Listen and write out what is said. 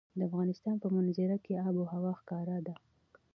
د افغانستان په منظره کې آب وهوا ښکاره ده.